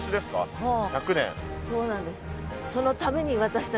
そうなんです。